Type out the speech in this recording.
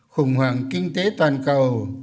khủng hoảng kinh tế toàn cầu